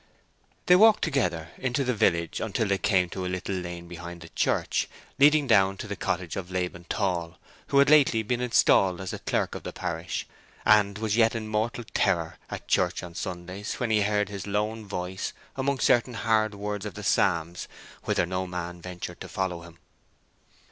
They walked together into the village until they came to a little lane behind the church, leading down to the cottage of Laban Tall, who had lately been installed as clerk of the parish, and was yet in mortal terror at church on Sundays when he heard his lone voice among certain hard words of the Psalms, whither no man ventured to follow him.